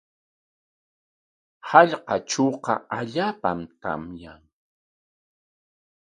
Hallqatrawqa allaapam tamyan.